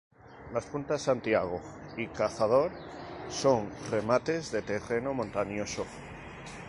Las puntas Santiago y Cazador son remates de terreno montañoso.